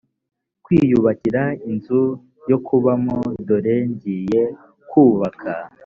kwiyubakira inzu yo kubamo dore ngiye kubaka